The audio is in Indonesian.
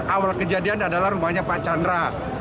awal kejadian adalah rumahnya pak chandra